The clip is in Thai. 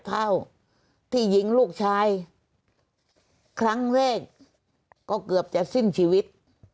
เท่าที่ยิงลูกชายครั้งแรกก็เกือบจะสิ้นชีวิต